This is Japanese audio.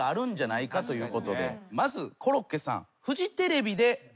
まずコロッケさん。